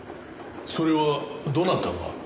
それはどなたが？